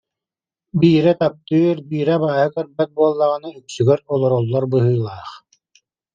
Биирэ таптыыр, биирэ абааһы көрбөт буоллаҕына үксүгэр олороллор быһыылаах